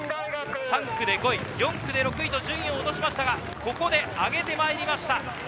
３区で５位、４区で６位と順位を落としましたが、ここで上げて参りました。